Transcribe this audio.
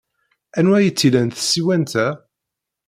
Anwa ay tt-ilan tsiwant-a?